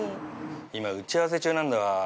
今打ち合わせ中なんだわ。